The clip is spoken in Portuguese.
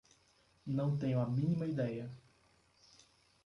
Não tenho a mínima ideia.